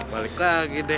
balik lagi deh